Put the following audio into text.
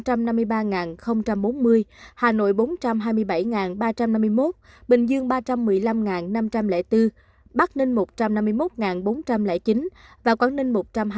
các địa phương ghi nhận số ca nhiễm tích lũy cao trong đợt dịch này là tp hcm năm trăm năm mươi ba bốn mươi hà nội bốn trăm hai mươi bảy ba trăm linh bốn bắc ninh một trăm năm mươi một bốn trăm linh chín và quảng ninh một trăm hai mươi tám ba trăm một mươi sáu